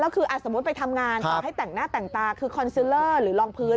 คือสมมุติไปทำงานต่อให้แต่งหน้าแต่งตาคือคอนซิลเลอร์หรือรองพื้น